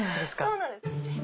そうなんです。